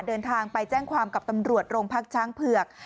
เดินทางไปแจ้งความกับตำรวจโรงพักช้างเผือก